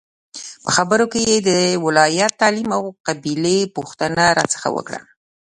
په خبرو کې یې د ولایت، تعلیم او قبیلې پوښتنه راڅخه وکړه.